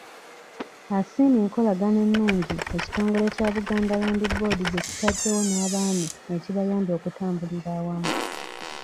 Asiimye enkolagaana ennungi ekitongole kya Buganda Land Board gye kitaddewo n'Abaami ekibayambye okutambulira awamu.